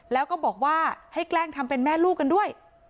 แล้วก็บอกว่าให้แกล้งทำเป็นแม่ลูกกันด้วย